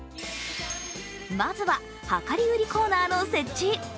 まずは量り売りコーナーの設置。